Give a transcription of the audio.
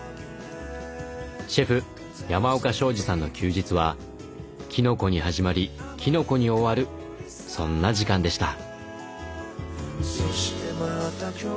シェフ山岡昌治さんの休日はきのこに始まりきのこに終わるそんな時間でした。